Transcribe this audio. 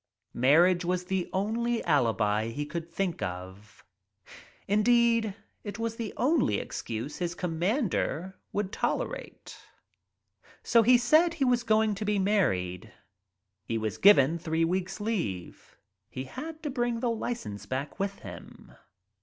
Marriage was the only alibi he could think of. In deed, it was the only excuse his commander would Se he said he was going to be married. He was given three weeks' leave. He had to bring the license back with him.